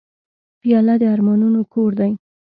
پیاله د ارمانونو کور دی.